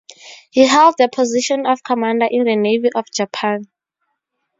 He held the position of commander in the Navy of Japan.